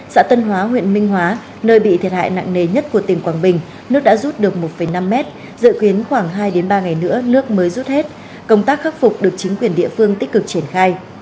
xã tân hóa huyện minh hóa nơi bị thiệt hại nặng nề nhất của tỉnh quảng bình nước đã rút được một năm mét dự kiến khoảng hai ba ngày nữa nước mới rút hết công tác khắc phục được chính quyền địa phương tích cực triển khai